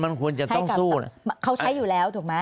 มันควรจะต้องสู้เขาใช้อยู่แล้วถูกไหม